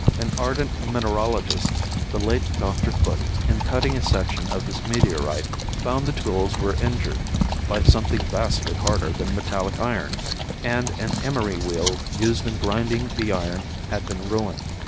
"An ardent mineralogist, the late Dr. Foote, in cutting a section of this meteorite, found the tools were injured by something vastly harder than metallic iron, and an emery wheel used in grinding the iron had been ruined.